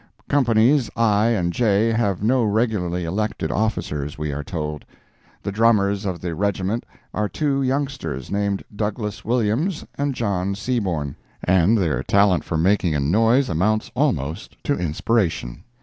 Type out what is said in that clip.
Companies I and J have no regularly elected officers, we are told. The drummers of the regiment are two youngsters named Douglas Williams and John Seaborn, and their talent for making a noise amounts almost to inspiration.